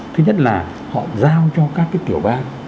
thứ nhất là họ giao cho các cái tiểu ban